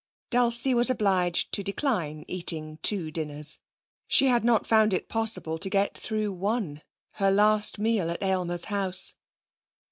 Dulcie was obliged to decline eating two dinners. She had not found it possible to get through one her last meal at Aylmer's house.